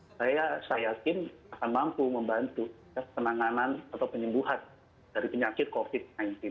saya yakin akan mampu membantu penanganan atau penyembuhan dari penyakit covid sembilan belas